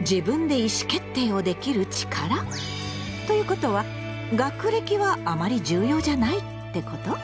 自分で意思決定をできる力？ということは「学歴」はあまり重要じゃないってこと？